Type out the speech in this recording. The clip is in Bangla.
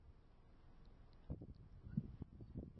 তারপর তিনি বললেনঃ তোমরা কি জান যে, তোমাদের নিচে এসব কী?